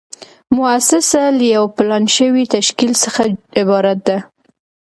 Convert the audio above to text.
موسسه له یو پلان شوي تشکیل څخه عبارت ده.